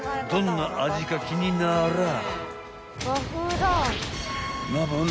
どんな味か気にならぁ］